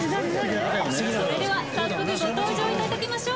それでは早速ご登場いただきましょう。